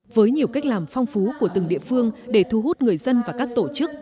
với nhiều cách làm phong phú của từng địa phương để thu hút người dân và các tổ chức